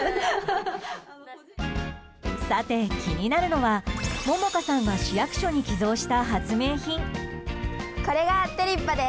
さて、気になるのは杏果さんが市役所に寄贈した発明品。